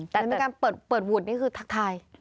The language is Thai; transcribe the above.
แต่การเปิดเปิดหุ่นนี่คือทักทาย